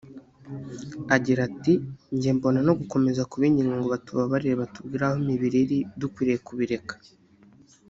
Agira ati “Njye mbona no gukomeza kubinginga ngo batubabarire batubwire aho imibiri iri dukwiye kubireka